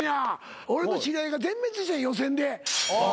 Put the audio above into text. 俺の知り合いが全滅して予選で。